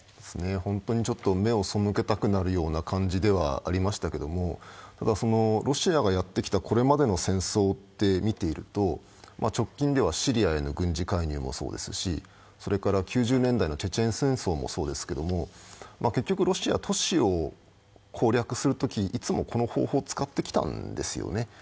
本当に目を背けたくなるような感じでしたけど、ロシアがやってきたこれまでの戦争って見ていると、直近ではシリアへの軍事介入もそうですし、それから９０年代のチェチェン戦争もそうですけれども、結局、ロシアは都市を攻略するときいつもこの方法を使ってきたんですよね、。